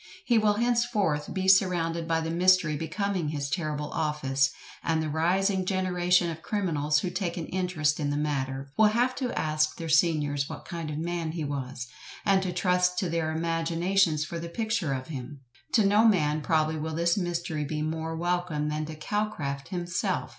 He will henceforth be surrounded by the mystery becoming his terrible office, and the rising generation of criminals who take an interest in the matter, will have to ask their seniors what kind of man he was, and to trust to their imaginations for the picture of him. To no man probably will this mystery be more welcome than to Calcraft himself.